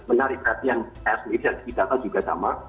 berarti yang di media di data juga sama